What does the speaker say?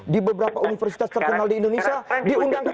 di beberapa universitas terkenal di indonesia diundang